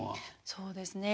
そうですね。